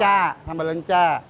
ini sambal lelenca